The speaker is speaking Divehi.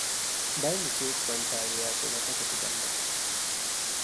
ބައެއް އިކްއިޕްމަންޓާއި އެއާގުޅޭ ތަކެތި ގަންނަން